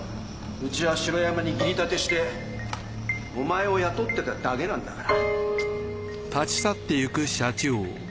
うちは城山に義理立てしてお前を雇ってただけなんだから。